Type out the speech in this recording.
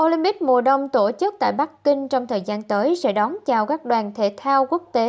olympic mùa đông tổ chức tại bắc kinh trong thời gian tới sẽ đón chào các đoàn thể thao quốc tế